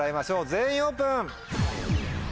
全員オープン。